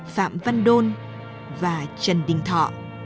phạm văn đôn và trần đình thọ